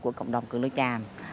của cộng đồng cụ lao chàm